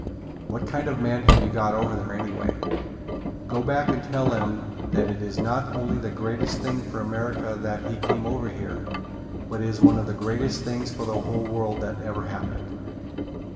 What kind of men have you got over there, anyway? Go back and tell them that it is not only the greatest thing for America that he came over here but it is one of the greatest things for the whole world that ever happened."